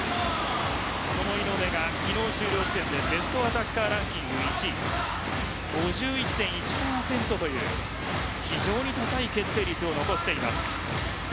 井上は昨日終了時点でベストアタッカーランキング１位５１．１％という非常に高い決定率を残しています。